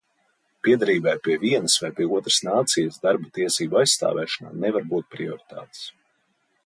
Piederībai pie vienas vai pie otras nācijas darba tiesību aizstāvēšanā nevar būt prioritātes.